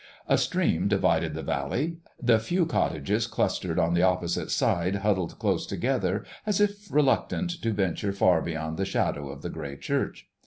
A stream divided the valley: the few cottages clustered on the opposite side huddled close together as if reluctant to venture far beyond the shadow of the grey church.